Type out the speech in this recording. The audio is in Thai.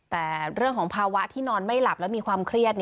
แต่เรื่องของภาวะที่นอนไม่หลับแล้วมีความเครียด